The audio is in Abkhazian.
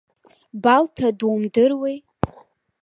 Балҭа думдыруеи?